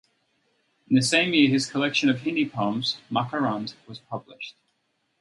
In the same year his collection of Hindi poems "Makarand" was published.